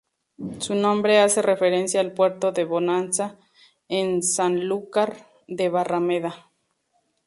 Su nombre hace referencia al Puerto de Bonanza, en Sanlúcar de Barrameda.